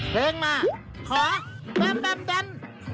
เพลงมาขอแบ้มแบ้มแบ้ม